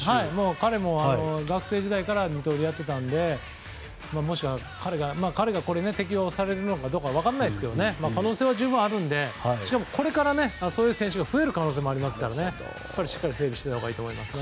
彼も学生時代からずっとやっていたので彼がこれに適用されるかは分からないですが可能性は十分にあるのでしかも、これからそういう選手が増える可能性があるのでしっかり整備しておいたほうがいいと思いますね。